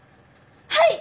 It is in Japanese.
はい！